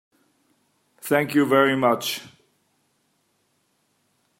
Thank you very much.